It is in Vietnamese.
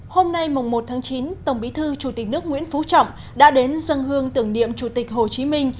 hôm nay mùng một tháng chín tổng bí thư chủ tịch nước nguyễn phú trọng đã đến dân hương tưởng niệm chủ tịch hồ chí minh